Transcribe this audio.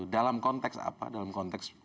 dalam konteks apa dalam konteks